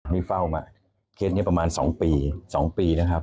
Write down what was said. นี่เฝ้ามาเคสนี้ประมาณ๒ปี๒ปีนะครับ